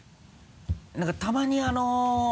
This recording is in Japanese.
何かたまにあの。